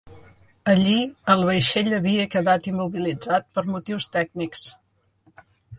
Allí el vaixell havia quedat immobilitzat per motius tècnics.